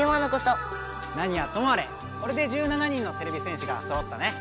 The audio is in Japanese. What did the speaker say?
何はともあれこれで１７人のてれび戦士がそろったね！